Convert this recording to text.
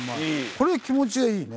これ気持ちがいいね。